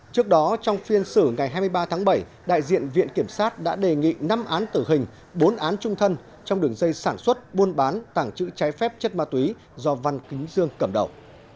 trước đó trong phiên xử ngày hai mươi ba tháng bảy đại diện viện kiểm sát đã đề nghị năm án tử hình bốn án trung thân trong đường dây sản xuất buôn bán tàng trữ trái phép chất ma túy do văn kính dương cầm đầu